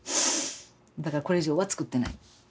だからこれ以上は作ってない。